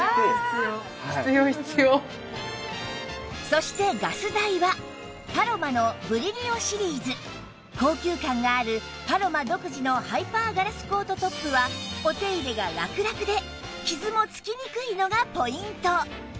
そしてガス台は高級感があるパロマ独自のハイパーガラスコートトップはお手入れがラクラクで傷もつきにくいのがポイント